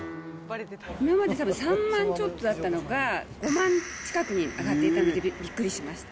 今までたぶん３万ちょっとだったのが、５万近くに上がっていたので、びっくりしました。